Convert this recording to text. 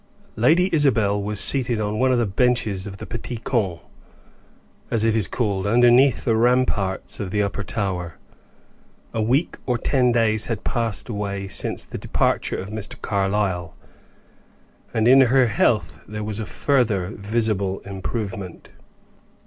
Lady Isabel was seated on one of the benches of the Petit Camp, as it is called, underneath the ramparts of the upper tower. A week or ten days had passed away since the departure of Mr. Carlyle, and in her health there was a further visible improvement.